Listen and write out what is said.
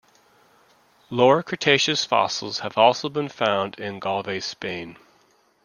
Lower Cretaceous fossils have also been found in Galve, Spain.